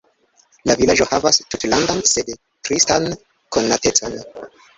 La vilaĝo havas tutlandan, sed tristan konatecon.